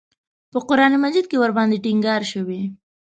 په قران مجید کې ورباندې ټینګار شوی.